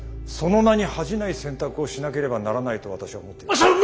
その名に恥じない選択をしなければならないと私は思っています。